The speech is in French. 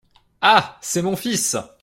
Ah ! c’est mon fils.